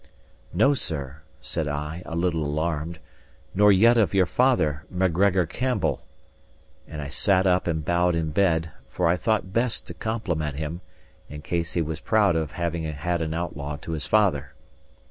"No, sir," said I, a little alarmed; "nor yet of your father, Macgregor Campbell." And I sat up and bowed in bed; for I thought best to compliment him, in case he was proud of having had an outlaw to his father.